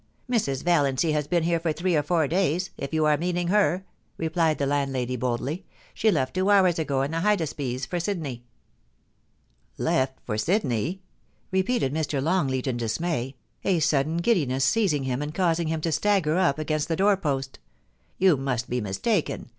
* Mrs. Valiancy has been here for three or four days, if you are meaning her,' replied the landlady, boldly. * She left two hours ago in the Hydaspes for Sydney.' THE ORDEAL, 391 * Left — for Sydney !* repeated Mr. Longleat in dismay, a sudden giddiness seizing him and causing him to stagger up against the door post *You must be mistaken.